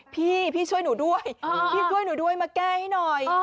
พี่พี่ช่วยหนูด้วยมาแก้ให้หน่อย